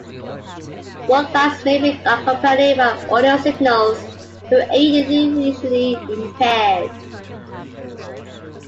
Walk lights may be accompanied by audio signals to aid the visually impaired.